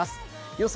予想